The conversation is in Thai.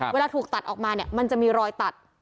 เวลาถูกตัดออกมาเนี่ยมันจะมีรอยตัด